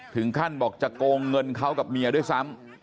ถึงขั้นบอกจะโกงเงินเขากับเมียด้วยซ้ำ